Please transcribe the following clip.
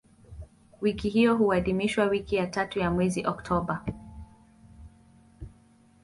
Wiki hiyo huadhimishwa wiki ya tatu ya mwezi Oktoba.